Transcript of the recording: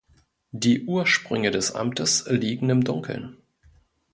Die Ursprünge des Amtes liegen im Dunkeln.